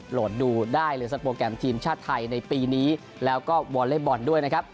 โหลดดูได้เลยสโปรแกรมทีมชาติไทยในปีนี้แล้วก็วอลเล็บบอลด้วยนะครับ